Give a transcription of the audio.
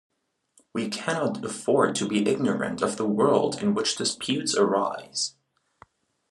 We cannot afford to be ignorant of the world in which disputes arise.